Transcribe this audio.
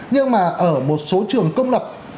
nhưng mà ở một số trường công lập